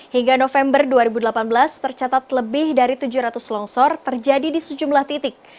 hingga november dua ribu delapan belas tercatat lebih dari tujuh ratus longsor terjadi di sejumlah titik